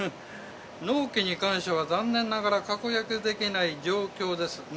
納期に関しては残念ながら、確約できない状況です。